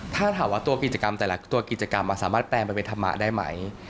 ถ้าถามว่าตัวกิจกรรมแต่ละตัวกิจกรรมสามารถแปลงไปเป็นธรรมะได้ไหม